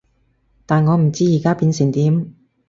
但我唔知而家變成點